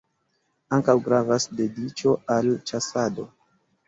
Ankaŭ gravas dediĉo al ĉasado.